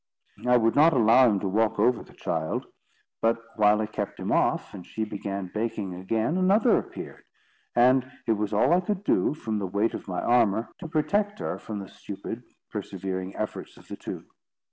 I would not allow him to walk over the child; but while I kept him off, and she began begging again, another appeared; and it was all I could do, from the weight of my armour, to protect her from the stupid, persevering efforts of the two.